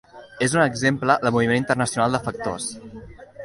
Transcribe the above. És un exemple de moviment internacional de factors.